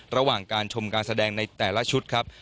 ระหว่างการชมการแสดงในแต่ละชุดครับ